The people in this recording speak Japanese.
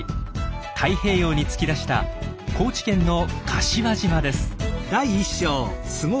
太平洋に突き出した高知県の柏島です。